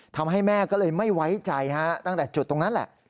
ทำให้แม่ก็เลยไม่ไว้ใจตั้งแต่จุดตรงนั้นแหละ